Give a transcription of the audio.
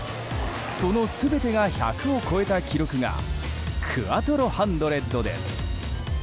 その全てが１００を超えた記録がクアトロ１００です。